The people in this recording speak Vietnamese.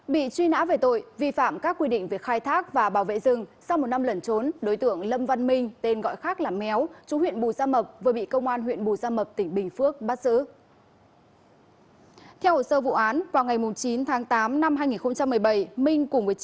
bị truy nã về tội vi phạm các quy định về khai thác và bảo vệ rừng sau một năm lẩn trốn đối tượng lâm văn minh tên gọi khác là méo chú huyện bù gia mập vừa bị công an huyện bù gia mập tỉnh bình phước bắt giữ